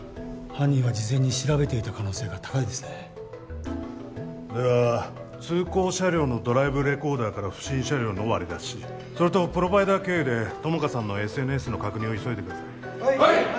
犯人は事前に調べていた可能性が高いですねでは通行車両のドライブレコーダーから不審車両の割り出しそれとプロバイダー経由で友果さんのＳＮＳの確認を急いでください